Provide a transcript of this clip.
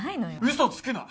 嘘つくな！